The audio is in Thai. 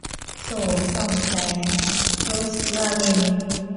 โสมส่องแสง - โรสลาเรน